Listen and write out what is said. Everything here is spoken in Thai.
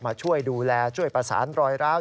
มาช่วยดูแลช่วยประสานรอยร้าว